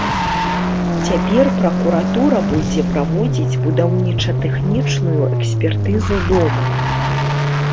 Цяпер пракуратура будзе праводзіць будаўніча-тэхнічную экспертызу дома.